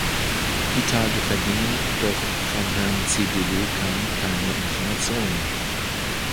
Die Tage vergingen, doch von Herrn Zedillo kamen keine Informationen.